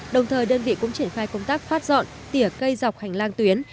đồng thời đơn vị cũng triển khai công tác phát dọn tỉa cây dọc hành lang tuyến